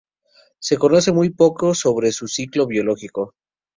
Se conoce muy poco sobre su ciclo biológico.